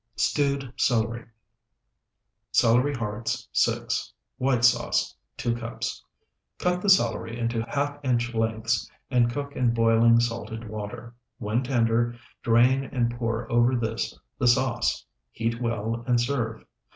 STEWED CELERY Celery hearts, 6. White sauce, 2 cups. Cut the celery into half inch lengths and cook in boiling, salted water. When tender, drain and pour over this the sauce. Heat well, and serve.